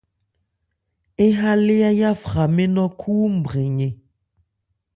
Ń ha lé, áyá fra mɛ́n nnɔ́ khúúnbrɛn yɛn.